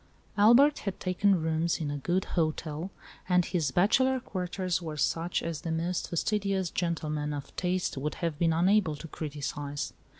Albert had taken rooms in a good hotel, and his bachelor quarters were such as the most fastidious gentleman of taste would have been unable to criticise.